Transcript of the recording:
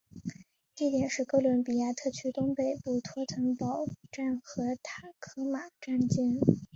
地点是哥伦比亚特区东北部托腾堡站和塔科马站间。